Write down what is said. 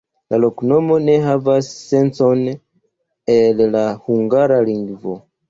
La loknomo ne havas sencon el la hungara lingvo.